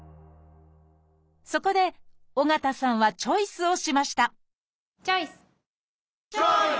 そこで緒方さんはチョイスをしましたチョイス！